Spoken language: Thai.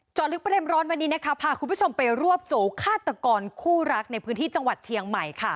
จอดลึกเป็นเร็มร้อนวันนี้พาคุณผู้ชมไปรวบโจ๊กฆาตกรคู่รักในพื้นที่จังหวัดเทียงใหม่